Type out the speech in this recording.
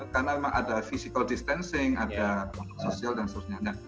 karena memang ada physical distancing ada sosial dan sebagainya